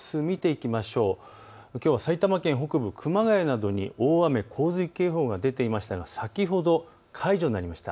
きょうは埼玉県北部、熊谷などに大雨洪水警報が出ていましたが先ほど解除になりました。